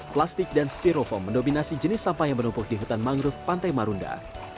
plastik dan styrofoam mendominasi jenis sampah yang menumpuk di hutan mangrove pantai marunda